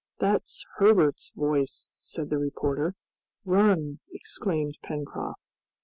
"That's Herbert's voice," said the reporter. "Run!" exclaimed Pencroft.